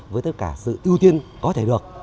với tất cả sự ưu tiên có thể được